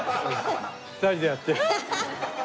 ２人でやって。